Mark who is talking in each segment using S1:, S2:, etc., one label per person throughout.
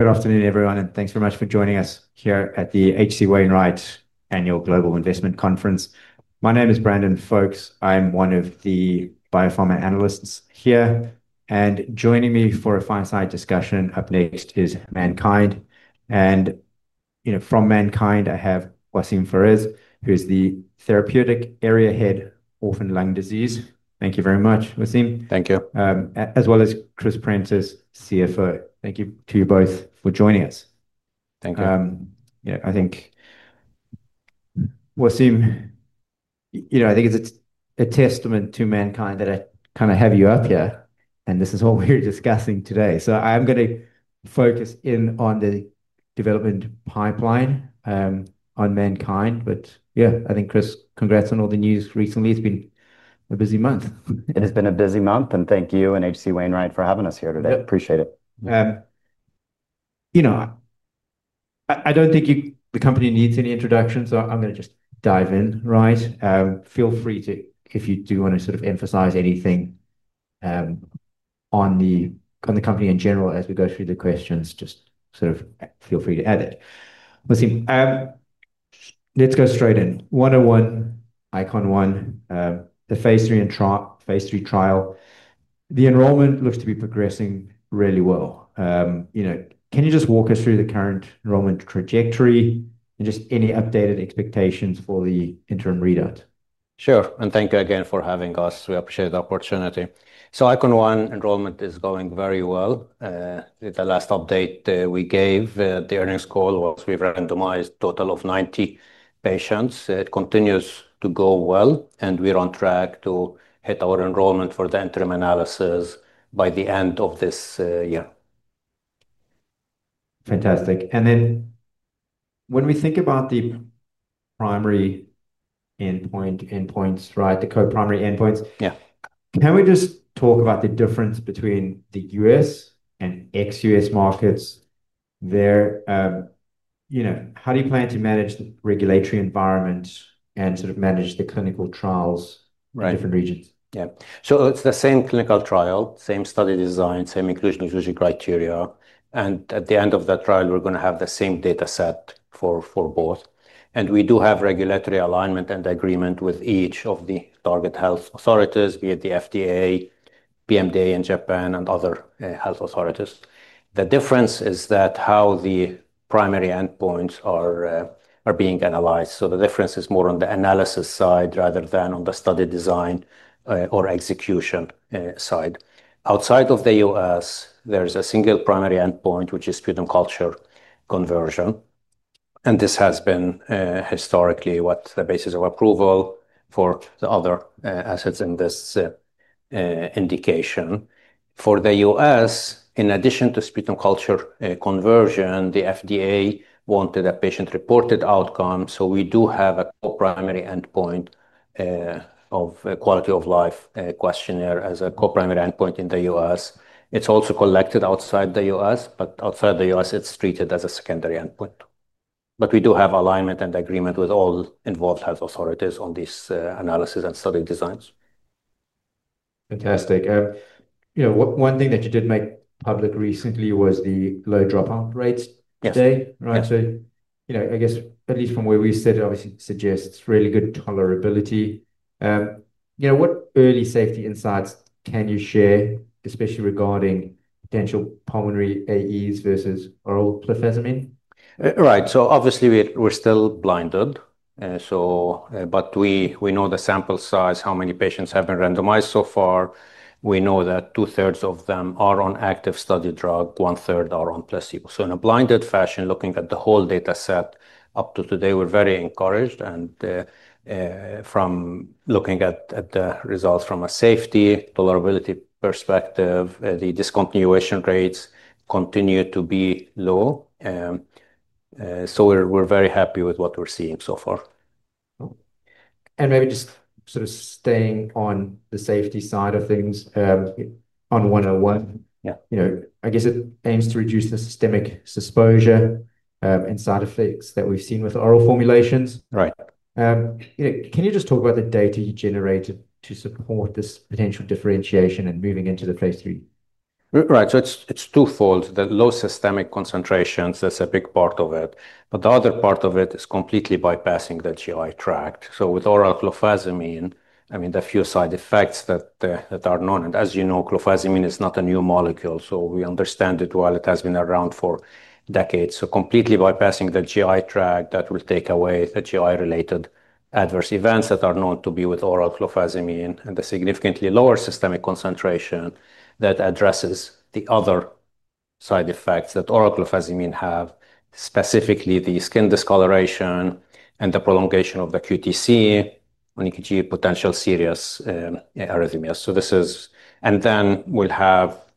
S1: Good afternoon, everyone, and thanks very much for joining us here at the HC Wainwright Annual Global Investment Conference. My name is Brandon Foulks. I'm one of the biopharma analysts here, and joining me for a fireside discussion up next is MannKind. From MannKind, I have Waseem Farez, who is the Therapeutic Area Head for Orphan Lung Disease. Thank you very much, Waseem.
S2: Thank you.
S1: As well as Chris Prentiss, Chief Financial Officer. Thank you to you both for joining us.
S3: Thank you.
S1: Yeah, I think, Waseem, it's a testament to MannKind that I have you up here, and this is all we're discussing today. I'm going to focus in on the development pipeline, on MannKind. Yeah, I think, Chris, congrats on all the news recently. It's been a busy month.
S3: It has been a busy month, and thank you and HC Wainwright for having us here today. Appreciate it.
S1: You know, I don't think the company needs any introductions, so I'm going to just dive in, right? Feel free to, if you do want to sort of emphasize anything on the company in general as we go through the questions, just feel free to add it. Waseem, let's go straight in. ICON-1, the phase 3 trial, the enrollment looks to be progressing really well. You know, can you just walk us through the current enrollment trajectory and just any updated expectations for the interim readout?
S2: Sure, and thank you again for having us. We appreciate the opportunity. ICON-1 enrollment is going very well. With the last update we gave, the earnings call was, we've randomized a total of 90 patients. It continues to go well, and we're on track to hit our enrollment for the interim analysis by the end of this year.
S1: Fantastic. When we think about the primary endpoint endpoints, the co-primary endpoints, can we just talk about the difference between the U.S. and ex-U.S. markets there? How do you plan to manage the regulatory environment and sort of manage the clinical trials in different regions?
S2: Yeah, so it's the same clinical trial, same study design, same inclusion criteria. At the end of that trial, we're going to have the same data set for both. We do have regulatory alignment and agreement with each of the target health authorities, be it the FDA, PMDA in Japan, and other health authorities. The difference is that how the primary endpoints are being analyzed. The difference is more on the analysis side rather than on the study design or execution side. Outside of the U.S., there's a single primary endpoint, which is sputum culture conversion. This has been historically what the basis of approval for the other assets in this indication. For the U.S., in addition to sputum culture conversion, the FDA wanted a patient-reported outcome. We do have a co-primary endpoint of quality of life questionnaire as a co-primary endpoint in the U.S. It's also collected outside the U.S., but outside the U.S., it's treated as a secondary endpoint. We do have alignment and agreement with all involved health authorities on these analyses and study designs.
S1: Fantastic. You know, one thing that you did make public recently was the low dropout rates today. Right. I guess at least from where we sit, it obviously suggests really good tolerability. What early safety insights can you share, especially regarding potential pulmonary AEs versus oral perphenazine?
S2: Right. Obviously we're still blinded, but we know the sample size, how many patients have been randomized so far. We know that two-thirds of them are on active study drug, one-third are on placebo. In a blinded fashion, looking at the whole data set up to today, we're very encouraged. From looking at the results from a safety tolerability perspective, the discontinuation rates continue to be low. We're very happy with what we're seeing so far.
S1: Maybe just sort of staying on the safety side of things, on 101, I guess it aims to reduce the systemic exposure and side effects that we've seen with oral formulations.
S2: Right.
S1: Can you just talk about the data you generated to support this potential differentiation and moving into the phase 3?
S2: Right. It's twofold. The low systemic concentrations, that's a big part of it. The other part of it is completely bypassing the GI tract. With oral clofazimine, the few side effects that are known, and as you know, clofazimine is not a new molecule, so we understand it while it has been around for decades. Completely bypassing the GI tract will take away the GI-related adverse events that are known to be with oral clofazimine. The significantly lower systemic concentration addresses the other side effects that oral clofazimine has, specifically the skin discoloration and the prolongation of the QTC on EKG, potential serious arrhythmias.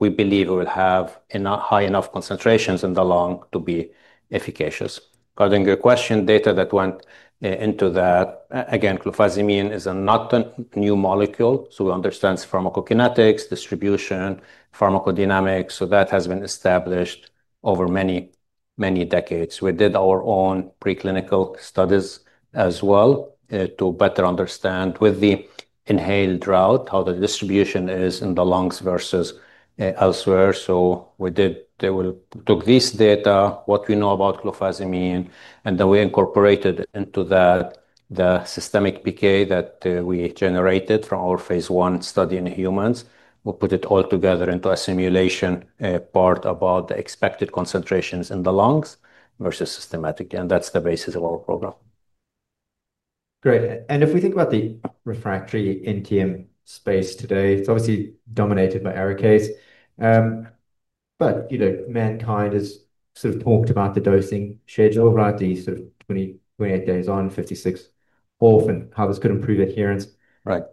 S2: We believe we'll have high enough concentrations in the lung to be efficacious. Regarding your question, data that went into that, again, clofazimine is not a new molecule, so we understand pharmacokinetics, distribution, pharmacodynamics. That has been established over many decades. We did our own preclinical studies as well to better understand with the inhaled route how the distribution is in the lungs versus elsewhere. We took this data, what we know about clofazimine, and then we incorporated into that the systemic PK that we generated from our phase 1 study in humans. We put it all together into a simulation part about the expected concentrations in the lungs versus systemically, and that's the basis of our program.
S1: Great. If we think about the refractory NTM space today, it's obviously dominated by Arikayce. MannKind has sort of talked about the dosing schedule, right? The sort of 28 days on, 56 off, and how this could improve adherence.
S2: Right.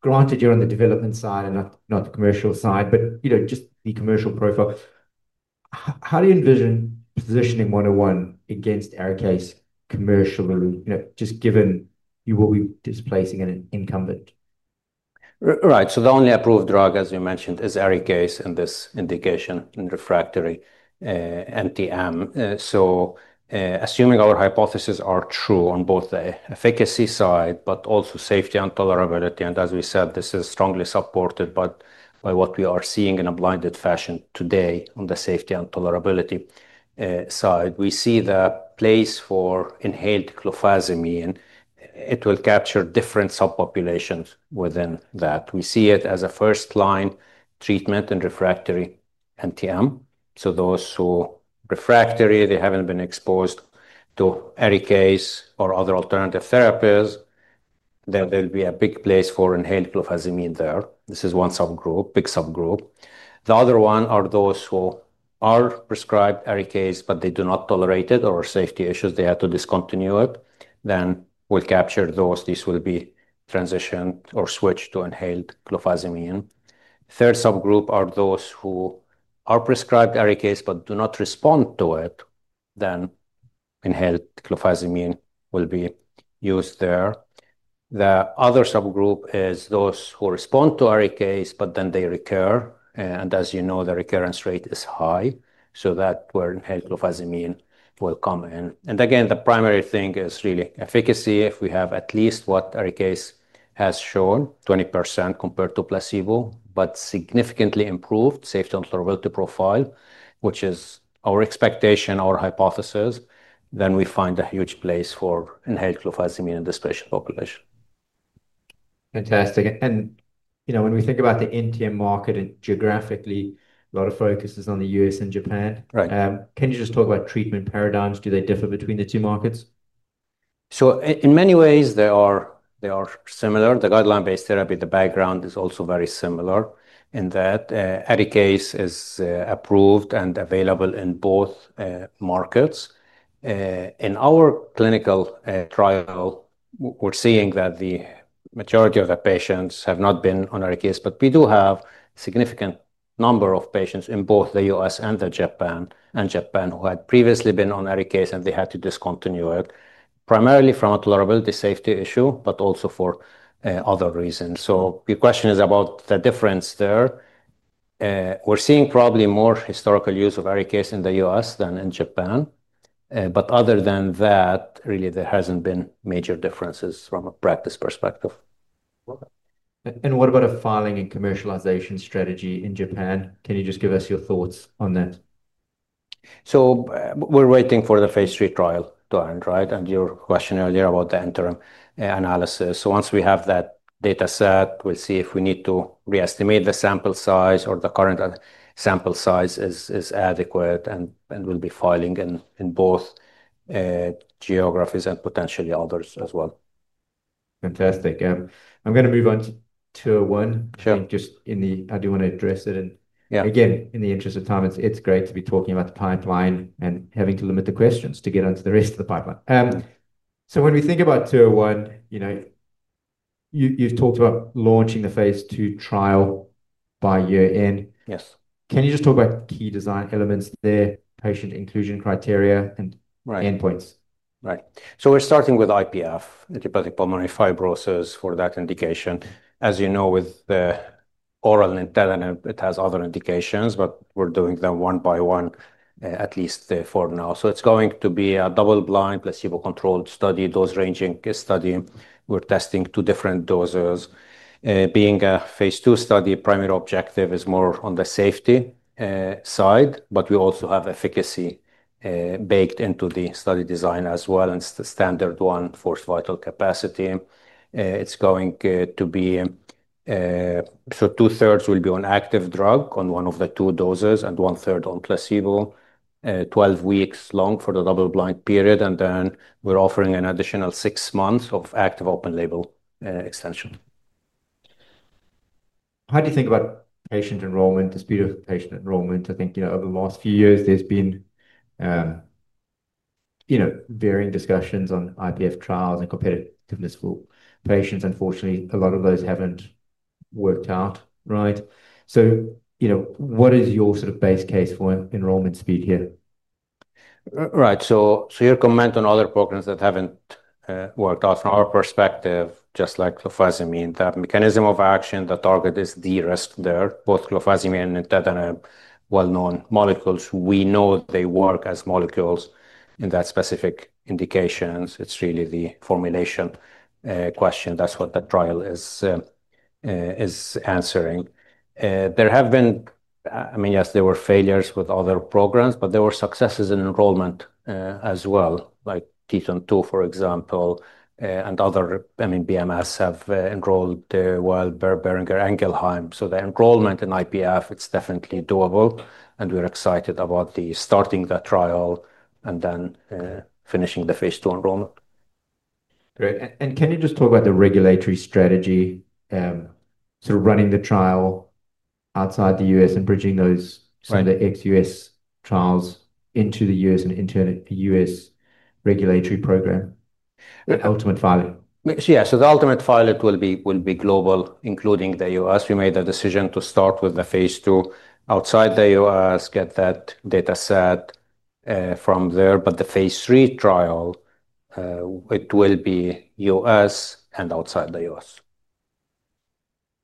S1: Granted you're on the development side and not the commercial side, but just the commercial profile, how do you envision positioning ICON-1 against Arikayce commercially, just given you will be displacing an incumbent?
S2: Right. The only approved drug, as you mentioned, is Arikayce in this indication in refractory NTM. Assuming our hypotheses are true on both the efficacy side, but also safety and tolerability, and as we said, this is strongly supported by what we are seeing in a blinded fashion today on the safety and tolerability side, we see the place for inhaled clofazimine. It will capture different subpopulations within that. We see it as a first-line treatment in refractory NTM. Those who are refractory, they haven't been exposed to Arikayce or other alternative therapies, there will be a big place for inhaled clofazimine there. This is one subgroup, a big subgroup. The other one are those who are prescribed Arikayce, but they do not tolerate it or have safety issues, they have to discontinue it. We will capture those. These will be transitioned or switched to inhaled clofazimine. A third subgroup are those who are prescribed Arikayce, but do not respond to it. Inhaled clofazimine will be used there. The other subgroup is those who respond to Arikayce, but then they recur. As you know, the recurrence rate is high. That is where inhaled clofazimine will come in. The primary thing is really efficacy. If we have at least what Arikayce has shown, 20% compared to placebo, but significantly improved safety and tolerability profile, which is our expectation, our hypothesis, then we find a huge place for inhaled clofazimine in this patient population.
S1: Fantastic. You know, when we think about the NTM market and geographically, a lot of focus is on the US and Japan. Can you just talk about treatment paradigms? Do they differ between the two markets?
S2: In many ways, they are similar. The guideline-based therapy, the background is also very similar in that Arikayce is approved and available in both markets. In our clinical trial, we're seeing that the majority of the patients have not been on Arikayce, but we do have a significant number of patients in both the U.S. and Japan who had previously been on Arikayce and they had to discontinue it, primarily from a tolerability safety issue, but also for other reasons. Your question is about the difference there. We're seeing probably more historical use of Arikayce in the U.S. than in Japan. Other than that, really, there haven't been major differences from a practice perspective.
S1: What about a filing and commercialization strategy in Japan? Can you just give us your thoughts on that?
S2: We're waiting for the phase 3 trial to end, right? Your question earlier about the interim analysis—once we have that data set, we'll see if we need to reestimate the sample size or if the current sample size is adequate, and we'll be filing in both geographies and potentially others as well.
S1: Fantastic. I'm going to move on to tier one.
S2: Sure.
S1: I do want to address it. In the interest of time, it's great to be talking about the pipeline and having to limit the questions to get onto the rest of the pipeline. When we think about tier one, you know, you've talked about launching the phase 2 trial by year end.
S2: Yes.
S1: Can you just talk about key design elements there, patient inclusion criteria, and endpoints?
S2: Right. We're starting with IPF, idiopathic pulmonary fibrosis for that indication. As you know, with the oral nintedanib, it has other indications, but we're doing them one by one at least for now. It's going to be a double-blind, placebo-controlled, dose-ranging study. We're testing two different doses. Being a phase 2 study, the primary objective is more on the safety side, but we also have efficacy baked into the study design as well, and standard one forced vital capacity. It's going to be two-thirds on active drug on one of the two doses and one-third on placebo. Twelve weeks long for the double-blind period, and then we're offering an additional six months of active open-label extension.
S1: How do you think about patient enrollment, the speed of patient enrollment? I think over the last few years, there's been varying discussions on IPF trials and competitiveness for patients. Unfortunately, a lot of those haven't worked out, right? What is your sort of base case for enrollment speed here?
S2: Right. Your comment on other programs that haven't worked out from our perspective, just like clofazimine, the mechanism of action, the target is the risk there. Both clofazimine and nintedanib are well-known molecules. We know they work as molecules in that specific indication. It's really the formulation question. That's what the trial is answering. There have been, I mean, yes, there were failures with other programs, but there were successes in enrollment as well, like TITON, for example, and other, I mean, BMS have enrolled while Boehringer Ingelheim. The enrollment in idiopathic pulmonary fibrosis, it's definitely doable. We're excited about starting the trial and then finishing the phase 2 enrollment.
S1: Great. Can you just talk about the regulatory strategy, sort of running the trial outside the U.S. and bridging those kind of ex-U.S. trials into the U.S. and into the U.S. regulatory program? The ultimate filing.
S2: Yeah, so the ultimate filing will be global, including the U.S. We made a decision to start with the phase 2 outside the U.S., get that data set from there. The phase 3 trial will be U.S. and outside the U.S.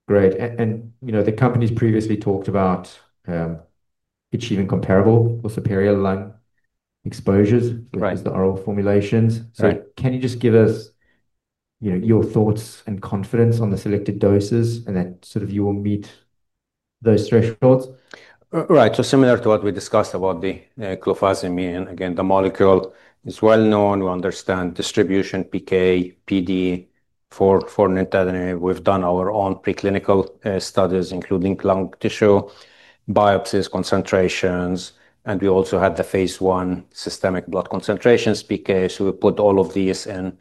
S1: Great. The companies previously talked about achieving comparable or superior lung exposures with the oral formulations. Can you just give us your thoughts and confidence on the selected doses and that you will meet those thresholds?
S2: Right. Similar to what we discussed about the clofazimine, again, the molecule is well known. We understand distribution, PK, PD for nintedanib. We've done our own preclinical studies, including lung tissue biopsies, concentrations, and we also had the phase 1 systemic blood concentrations, PK. We put all of these in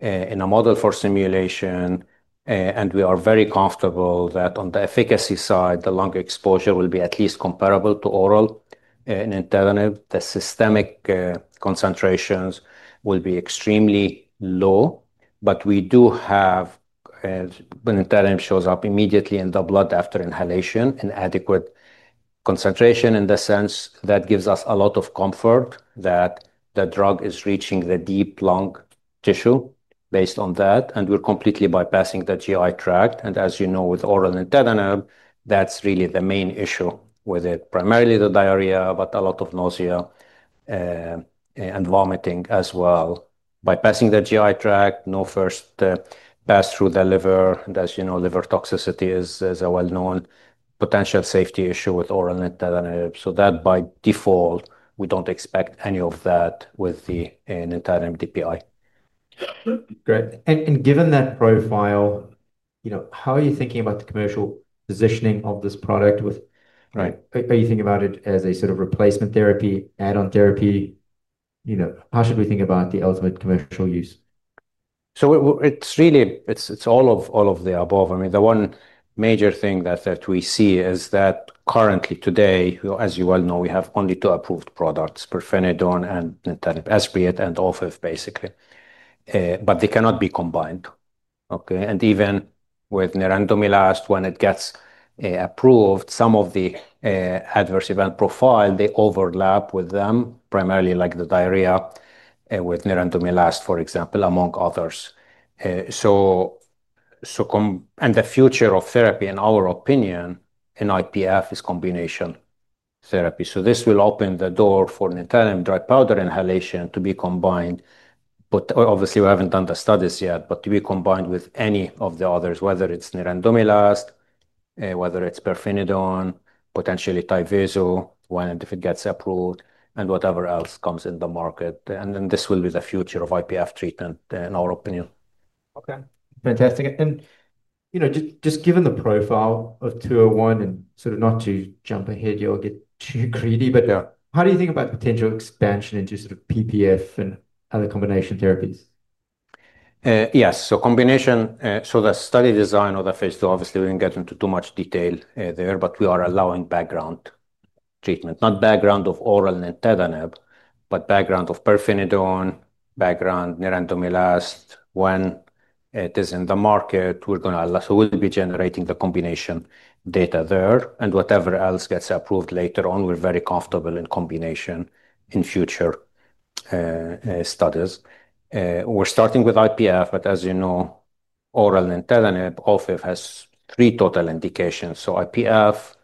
S2: a model for simulation. We are very comfortable that on the efficacy side, the lung exposure will be at least comparable to oral nintedanib. The systemic concentrations will be extremely low, but we do have when nintedanib shows up immediately in the blood after inhalation in adequate concentration. In the sense that gives us a lot of comfort that the drug is reaching the deep lung tissue based on that. We're completely bypassing the GI tract. As you know, with oral nintedanib, that's really the main issue with it, primarily the diarrhea, but a lot of nausea and vomiting as well. By passing the GI tract, no first pass through the liver. As you know, liver toxicity is a well-known potential safety issue with oral nintedanib. By default, we don't expect any of that with the nintedanib DPI.
S1: Great. Given that profile, how are you thinking about the commercial positioning of this product? Are you thinking about it as a sort of replacement therapy, add-on therapy? How should we think about the ultimate commercial use?
S2: It's really all of the above. The one major thing that we see is that currently today, as you well know, we have only two approved products, pirfenidone and nintedanib, basically. They cannot be combined. Even with niraparib, when it gets approved, some of the adverse event profile overlaps with them, primarily like the diarrhea with niraparib, for example, among others. The future of therapy, in our opinion, in idiopathic pulmonary fibrosis (IPF) is combination therapy. This will open the door for nintedanib dry powder inhalation to be combined. Obviously, we haven't done the studies yet, but to be combined with any of the others, whether it's niraparib, whether it's pirfenidone, potentially Tyvaso DPI if it gets approved, and whatever else comes in the market. This will be the future of IPF treatment in our opinion.
S1: Okay. Fantastic. Just given the profile of tier one, and sort of not to jump ahead, you'll get too greedy, but how do you think about the potential expansion into sort of PPF and other combination therapies?
S2: Yes. Combination, the study design of the phase 2, obviously, we didn't get into too much detail there, but we are allowing background treatment, not background of oral nintedanib, but background of pirfenidone, background of niraparib. When it is in the market, we're going to allow, so we'll be generating the combination data there. Whatever else gets approved later on, we're very comfortable in combination in future studies. We're starting with idiopathic pulmonary fibrosis (IPF), but as you know, oral nintedanib has three total indications: IPF,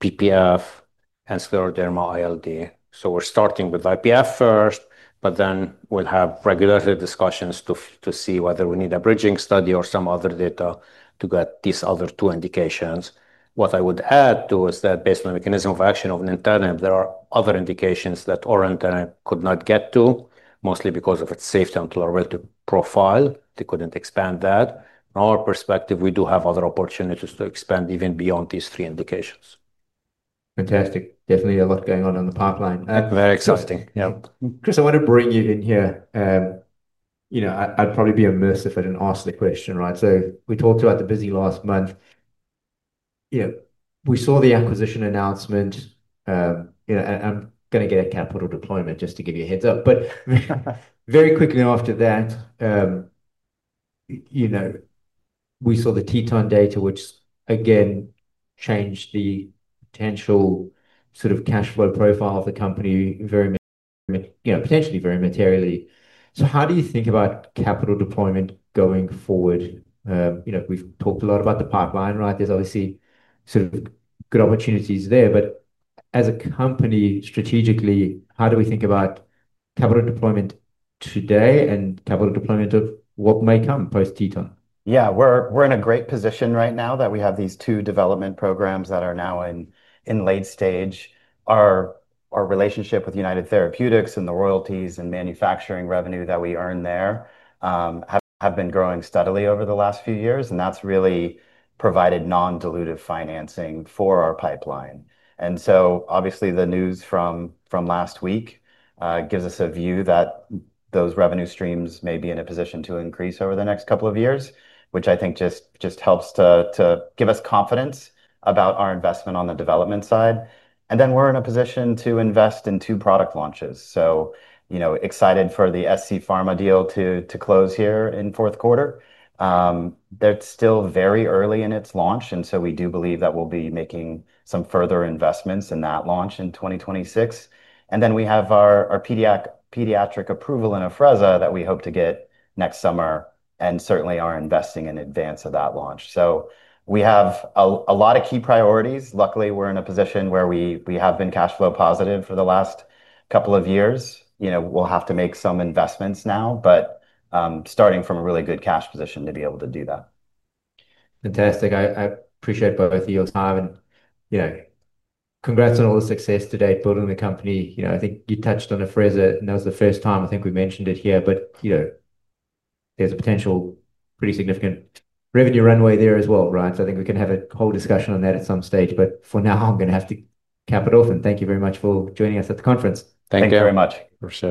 S2: progressive pulmonary fibrosis (PPF), and scleroderma interstitial lung disease (ILD). We're starting with IPF first, but then we'll have regular discussions to see whether we need a bridging study or some other data to get these other two indications. What I would add too is that based on the mechanism of action of nintedanib, there are other indications that oral nintedanib could not get to, mostly because of its safety and tolerability profile. They couldn't expand that. From our perspective, we do have other opportunities to expand even beyond these three indications.
S1: Fantastic. Definitely a lot going on in the pipeline.
S2: Very exciting, yeah.
S1: Chris, I want to bring you in here. I'd probably be remiss if I didn't ask the question, right? We talked about the busy last month. We saw the acquisition announcement. I'm going to get to capital deployment just to give you a heads up. Very quickly after that, we saw the TITON data, which again changed the potential sort of cash flow profile of the company, potentially very materially. How do you think about capital deployment going forward? We've talked a lot about the pipeline, right? There are obviously sort of good opportunities there. As a company strategically, how do we think about capital deployment today and capital deployment of what may come post-TITON?
S3: Yeah, we're in a great position right now that we have these two development programs that are now in late stage. Our relationship with United Therapeutics and the royalties and manufacturing revenue that we earn there have been growing steadily over the last few years. That's really provided non-dilutive financing for our pipeline. Obviously, the news from last week gives us a view that those revenue streams may be in a position to increase over the next couple of years, which I think just helps to give us confidence about our investment on the development side. We're in a position to invest in two product launches. Excited for the SCP Pharmaceuticals deal to close here in fourth quarter. That's still very early in its launch. We do believe that we'll be making some further investments in that launch in 2026. We have our pediatric approval in Afrezza that we hope to get next summer and certainly are investing in advance of that launch. We have a lot of key priorities. Luckily, we're in a position where we have been cash flow positive for the last couple of years. We'll have to make some investments now, but starting from a really good cash position to be able to do that.
S1: Fantastic. I appreciate both of your time. I appreciate all the success to date building the company. I think you touched on Afrezza, and that was the first time I think we mentioned it here. There's a potential pretty significant revenue runway there as well, right? I think we can have a whole discussion on that at some stage. For now, I'm going to have to cap it off. Thank you very much for joining us at the conference.
S2: Thank you very much.
S3: Appreciate it.